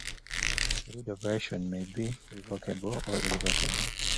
A deed of variation may be revocable or irrevocable.